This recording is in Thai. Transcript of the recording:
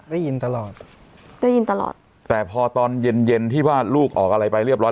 ได้ยินตลอดได้ยินตลอดแต่พอตอนเย็นเย็นที่ว่าลูกออกอะไรไปเรียบร้อ